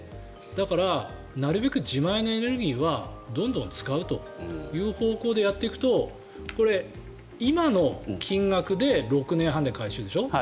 だから、なるべく自前のエネルギーはどんどん使うという方向でやっていくとこれ、今の金額で６年半で回収でしょ？